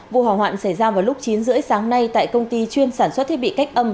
vụ hỏa hoạn xảy ra vào lúc chín h ba mươi sáng nay tại công ty chuyên sản xuất thiết bị cách âm